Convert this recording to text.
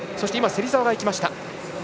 芹澤もいきました。